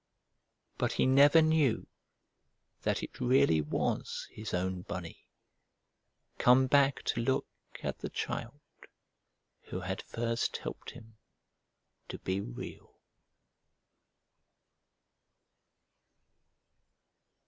But he never knew that it really was his own Bunny, come back to look at the child who had first helped him to be Real.